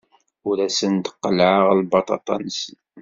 Ur asen-d-qellɛeɣ lbaṭaṭa-nsen.